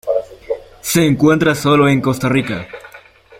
Se encuentra sólo en Costa Rica.